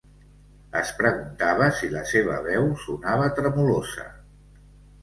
Es preguntava si la seva veu sonava tremolosa.